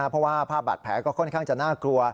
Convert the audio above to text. เพราะว่าภาพบาดแผลก็ค่อนข้างจะน่ากลัว